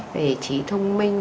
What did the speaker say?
về trí thông minh của bé